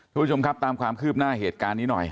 คุณผู้ชมครับตามความคืบหน้าเหตุการณ์นี้หน่อย